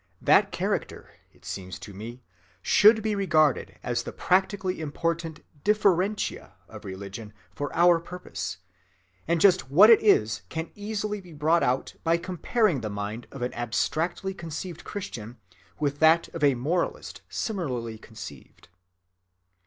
That character, it seems to me, should be regarded as the practically important differentia of religion for our purpose; and just what it is can easily be brought out by comparing the mind of an abstractly conceived Christian with that of a moralist similarly conceived.